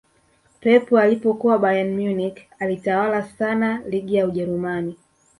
pep alipokuwa bayern munich alitawala sana ligi ya ujerumani